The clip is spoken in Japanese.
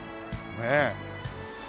ねえ。